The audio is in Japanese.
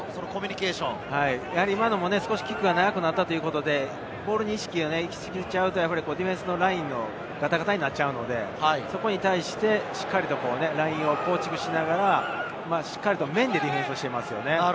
今のも少しキックが長くなったということで、ボールに意識が行き過ぎるとディフェンスラインがガタガタになるので、それに対してラインを構築しながら、面でディフェンスしていますよね。